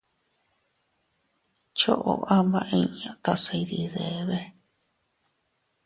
Choʼo ama inña tase iydidebe.